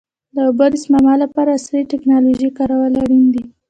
د اوبو د سپما لپاره عصري ټکنالوژي کارول اړین دي.